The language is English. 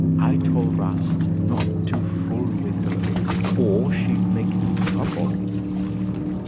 I told 'Rast not to fool with her, or she'd make him trouble."